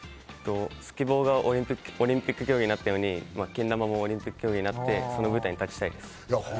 スケボーがオリンピック競技になったように、けん玉もオリンピック競技になって、その舞台に立ちたいです。